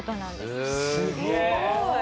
すごい！